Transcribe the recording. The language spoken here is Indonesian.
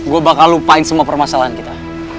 gue bakal lupain semua permasalahan kita